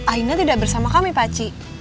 alina tidak bersama kami pakcik